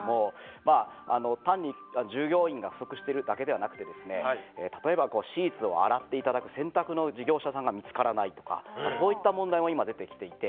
まあ単に従業員が不足しているだけではなくてですね例えばシーツを洗っていただく洗濯の事業者さんが見つからないとかそういった問題も今出てきていて。